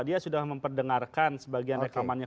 dia sudah memperdengarkan sebagian rekamannya